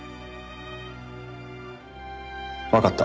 わかった。